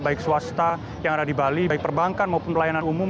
baik swasta yang ada di bali baik perbankan maupun pelayanan umum